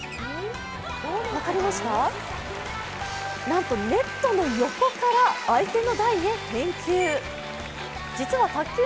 なんとネットの横から相手の台へ返球。